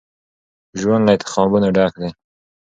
ژوند له انتخابونو ډک دی.